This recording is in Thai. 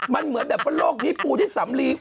มันเหมือนแบบว่าโลกนี้ปูที่สำลี